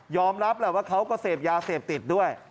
รับแหละว่าเขาก็เสพยาเสพติดด้วย